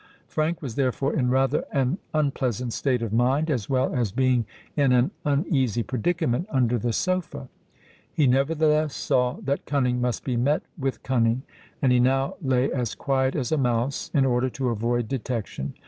Frank was therefore in rather an unpleasant state of mind, as well as being in an uneasy predicament under the sofa. He nevertheless saw that cunning must be met with cunning; and he now lay as quiet as a mouse, in order to avoid detection.